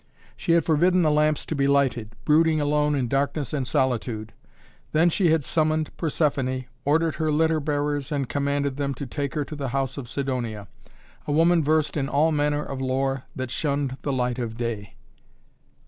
She had forbidden the lamps to be lighted, brooding alone in darkness and solitude. Then she had summoned Persephoné, ordered her litter bearers and commanded them to take her to the house of Sidonia, a woman versed in all manner of lore that shunned the light of day.